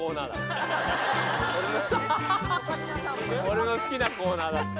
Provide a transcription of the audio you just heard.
俺の好きなコーナーだ。